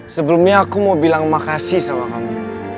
sebelumnya aku mau bilang makasih sama kamu